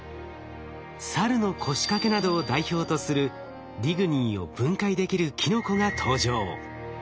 サルノコシカケなどを代表とするリグニンを分解できるキノコが登場。